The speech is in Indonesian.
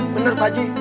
bener pak ji